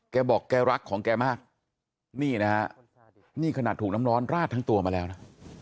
แกบอกแกรักของแกมากนี่นะฮะนี่ขนาดถูกน้ำร้อนราดทั้งตัวมาแล้วนะ